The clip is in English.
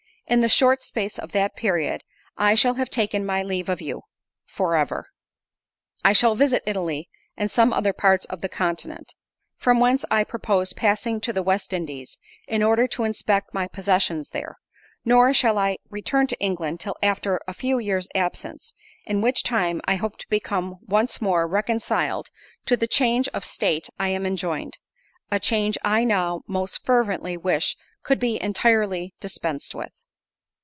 In the short space of that period I shall have taken my leave of you—for ever. "I shall visit Italy, and some other parts of the Continent; from whence I propose passing to the West Indies, in order to inspect my possessions there: nor shall I return to England till after a few years' absence; in which time I hope to become once more reconciled to the change of state I am enjoined—a change I now most fervently wish could be entirely dispensed with.